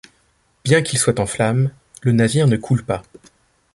Bien qu'il soit en flamme, le navire ne coule pas.